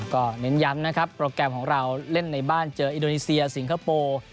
ก็เน้นย้ำนะครับโปรแกรมของเราเล่นในบ้านเจออินโดนีเซียสิงคโปร์